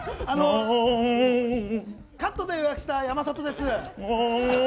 あの、カットで予約した山里です！